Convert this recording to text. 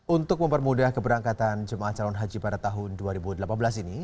untuk mempermudah keberangkatan jemaah calon haji pada tahun dua ribu delapan belas ini